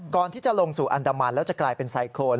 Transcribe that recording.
ก่อนที่จะลงสู่อันดามันแล้วจะกลายเป็นไซโครน